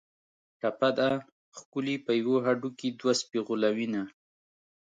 ټپه ده: ښکلي په یوه هډوکي دوه سپي غولوینه